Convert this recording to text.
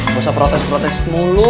gak usah protes protes mulu